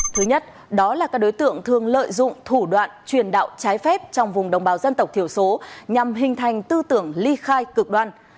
thứ nhất đó là các đối tượng thường lợi dụng thủ đoạn truyền đạo trái phép trong vùng đồng bào dân tộc thiểu số nhằm hình thành tư tưởng ly khai cực đoan